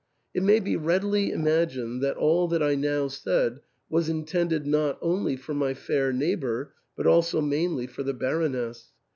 It may be readily imagined that all that I now said was intended not only for my fair neighbour, but also mainly for the Baroness.